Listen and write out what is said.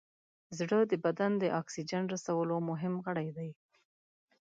زړه د بدن د اکسیجن رسولو مهم غړی دی.